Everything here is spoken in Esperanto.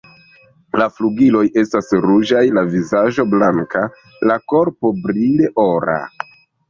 La flugiloj estas ruĝaj, la vizaĝo blanka, la korpo brile ora.